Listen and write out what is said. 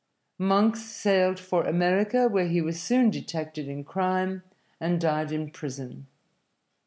Monks sailed for America, where he was soon detected in crime and died in prison.